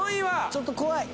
ちょっと怖い。